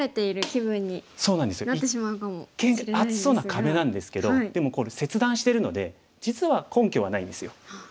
一見厚そうな壁なんですけどでもこれ切断してるので実は根拠はないんですよ。